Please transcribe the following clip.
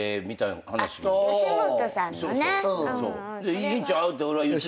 いいんちゃうって俺は言った。